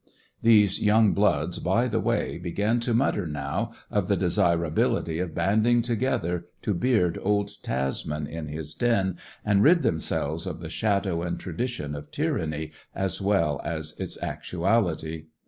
These young bloods, by the way, began to mutter now of the desirability of banding together to beard old Tasman in his den, and rid themselves of the shadow and tradition of tyranny, as well as its actuality.